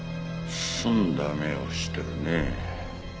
澄んだ目をしてるね。